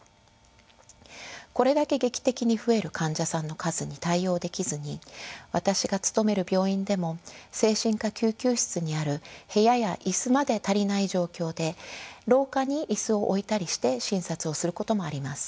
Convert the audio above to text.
これだけ劇的に増える患者さんの数に対応できずに私が勤める病院でも精神科救急室にある部屋や椅子まで足りない状況で廊下に椅子を置いたりして診察をすることもあります。